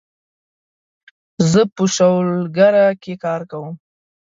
زه په شولګره کې کار کوم